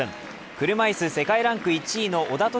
車椅子の世界ランク１位の小田凱